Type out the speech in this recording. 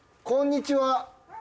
こんにちは。